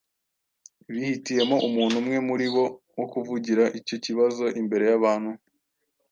Bihitiyemo umuntu umwe muri bo wo kuvugira icyo kibazo imbere y’abantu.